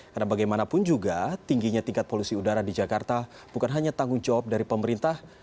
karena bagaimanapun juga tingginya tingkat polusi udara di jakarta bukan hanya tanggung jawab dari pemerintah